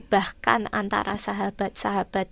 bahkan antara sahabat sahabat